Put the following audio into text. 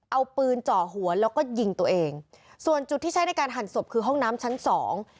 เอาปืนเจาะหัวแล้วก็ยิงตัวเองส่วนจุดที่ใช้ในการหั่นศพคือห้องน้ำชั้นสอง